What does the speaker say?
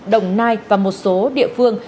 đồng nai và một số địa phương